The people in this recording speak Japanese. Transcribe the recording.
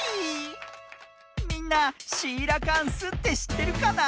みんなシーラカンスってしってるかな？